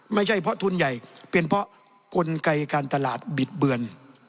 ไม่ใช่เพราะทุนใหญ่เป็นเพราะกลไกการตลาดบิดเบือน